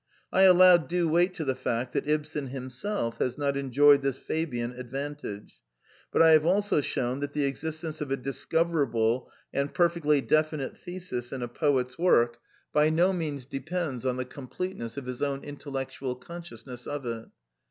I allow due weight to the fact that Ibsen himself has not enjoyed this Fabian advantage; but I have also shewn that the existence of a discover able and perfectly definite thesis in a poet's work XX Preface to First Edition by no means depends on the completeness of his own intellectual consciousness of it.